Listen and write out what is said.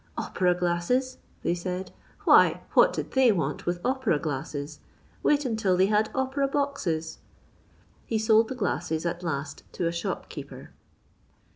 " Opera glasses 1 " they said, " why, what did they want with opera glasses 1 wait until they had opera boxes." He sold the glasses at last to a shop keeper.